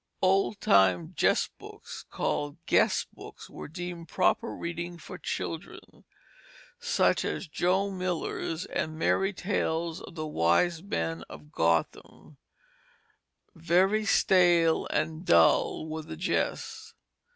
Old time jest books called Guess Books were deemed proper reading for children, such as Joe Miller's and Merry Tales of the Wise Men of Gotham; very stale and dull were the jests.